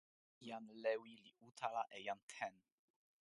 jan Lewi li utala e jan Ten.